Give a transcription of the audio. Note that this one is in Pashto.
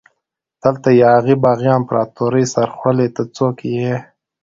دلته یاغي باغي امپراتوري سرخوړلي ته څوک يي؟